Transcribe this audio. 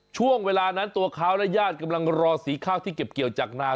ช่วงเวลานั้นตัวเขาและญาติกำลังรอสีข้าวที่เก็บเกี่ยวจากนา